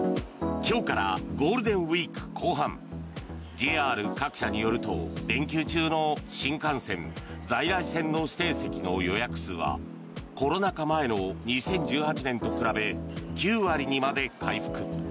ＪＲ各社によると連休中の新幹線、在来線の指定席の予約数はコロナ禍前の２０１８年と比べ９割にまで回復。